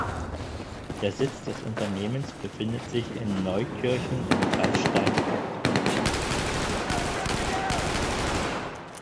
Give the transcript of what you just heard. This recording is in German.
Der Sitz des Unternehmens befindet sich im Neuenkirchen im Kreis Steinfurt.